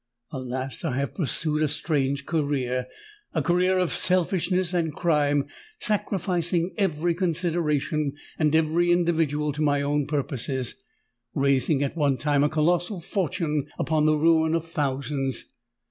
Alas! I have pursued a strange career—a career of selfishness and crime, sacrificing every consideration and every individual to my own purposes—raising at one time a colossal fortune upon the ruin of thousands!